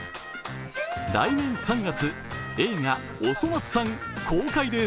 来年３月、映画「おそ松さん」公開です。